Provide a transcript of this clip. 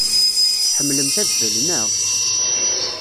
Tḥemmlemt adfel, naɣ?